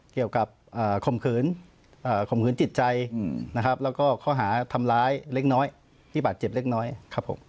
เขาเขินตำร้ายเล็กน้อยที่บาดเจ็บเล็กน้อยครับผม